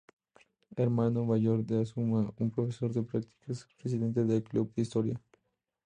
Hermano mayor de Asuma; un profesor de prácticas y expresidente del Club de Historia.